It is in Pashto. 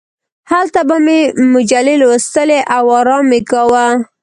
هلته به مې مجلې لوستلې او ارام مې کاوه.